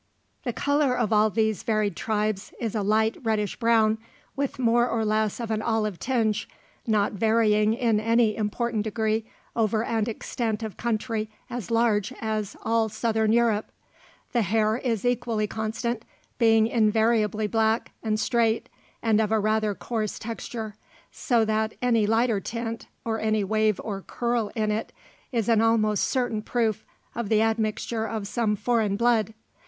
The colour of all these varied tribes is a light reddish brown, with more or less of an olive tinge, not varying in any important degree over an extent of country as large as all Southern Europe. The hair is equally constant, being invariably black and straight, and of a rather coarse texture, so that any lighter tint, or any wave or curl in it, is an almost certain proof of the admixture of some foreign blood.